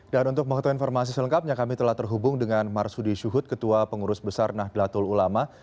dan untuk menghutang informasi selengkapnya kami telah terhubung dengan marsudi syuhud ketua pengurus besar nahdlatul ulama